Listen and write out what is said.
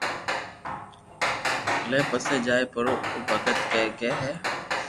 لي پسي جائي پرو او ڀگت ڪي ڪي ھي